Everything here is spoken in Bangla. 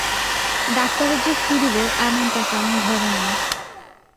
ডাক্তারের যে ফি দিব এমন টাকা আমার ঘরে নাই।